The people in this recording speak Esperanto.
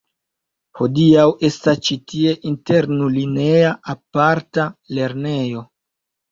Hodiaŭ estas ĉi tie internulineja aparta lernejo.